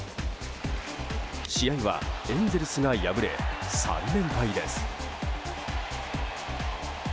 試合は、エンゼルスが敗れ３連敗です。